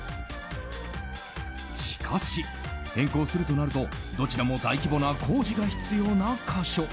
しかし変更するとなるとどちらも大規模な工事が必要な箇所。